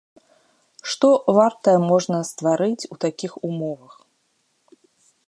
Што вартае можна стварыць у такіх умовах?